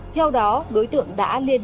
theo đó đối tượng đã liên hệ